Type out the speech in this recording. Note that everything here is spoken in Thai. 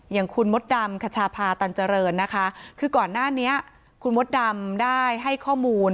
อย่างคุณมดดำคชาพาตันเจริญนะคะคือก่อนหน้านี้คุณมดดำได้ให้ข้อมูล